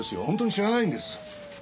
本当に知らないんです！